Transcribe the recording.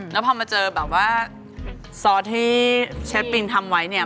แล้วพอมาเจอแบบว่าซอสที่เชฟปิงทำไว้เนี่ย